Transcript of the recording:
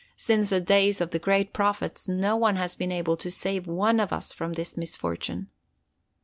'Since the days of the great prophets no one has been able to save one of us from this misfortune.